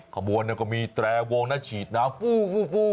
ขบวนก็มีแตรวงน่าฉีดน้ำฟู้ฟู้ฟู้